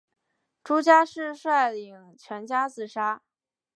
朱家仕率领全家自杀。